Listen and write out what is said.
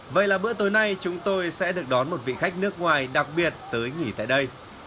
vậy là bữa tối nay chúng tôi sẽ được đón một vị khách nước ngoài đặc biệt tới nghỉ tại đây